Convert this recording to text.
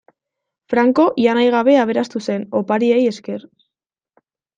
Franco ia nahi gabe aberastu zen, opariei esker.